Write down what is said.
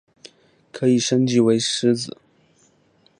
可以升级为狮子。